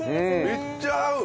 めっちゃ合う！